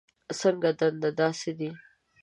څنګه دنده، دا څه دي؟